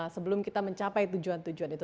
sebelum kita mencapai tujuan tujuan itu